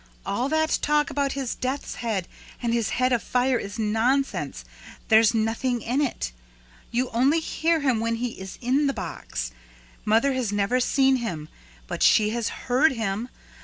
All that talk about his death's head and his head of fire is nonsense! There's nothing in it. You only hear him when he is in the box. Mother has never seen him, but she has heard him.